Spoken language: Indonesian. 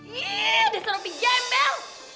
ih ada serapi jembel